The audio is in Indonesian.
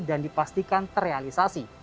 dan dipastikan terrealisasi